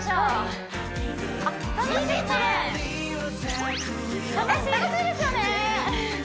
えっ楽しいですよね！